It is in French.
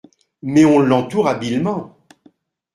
Mais on l'entoure habilement.